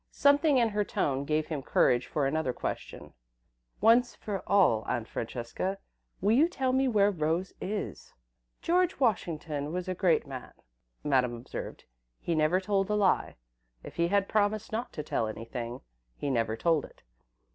'" Something in her tone gave him courage for another question. "Once for all, Aunt Francesca, will you tell me where Rose is?" "George Washington was a great man," Madame observed. "He never told a lie. If he had promised not to tell anything, he never told it."